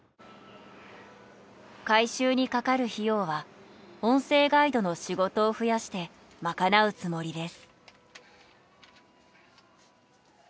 改修にかかる費用は音声ガイドの仕事を増やして賄うつもりです。